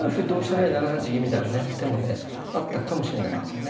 成７八銀みたいな手もねあったかもしれないんですよね。